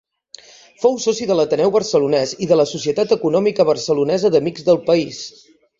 Fou soci de l'Ateneu Barcelonès i de la Societat Econòmica Barcelonesa d'Amics del País.